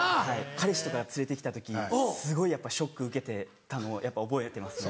彼氏とか連れて来た時すごいやっぱショック受けてたのを覚えてますね。